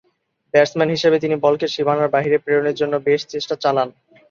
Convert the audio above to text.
Batsman হিসেবে তিনি বলকে সীমানার বাইরে প্রেরণে জন্য বেশ চেষ্টা চালান।